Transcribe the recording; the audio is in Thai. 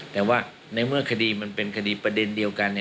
แต่ว่าในเมื่อคดีมันเป็นคดีประเด็นเดียวกัน